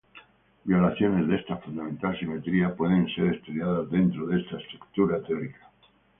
Violaciones de esta fundamental simetría pueden ser estudiadas dentro de esta estructura teórica.